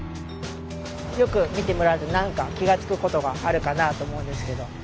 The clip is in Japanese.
よく見てもらうと何か気が付くことがあるかなあと思うんですけど。